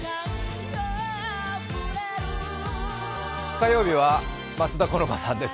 火曜日は松田好花さんです。